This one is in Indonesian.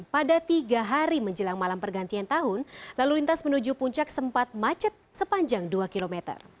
pada tiga hari menjelang malam pergantian tahun lalu lintas menuju puncak sempat macet sepanjang dua km